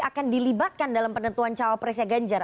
akan dilibatkan dalam penentuan cawapresnya ganjar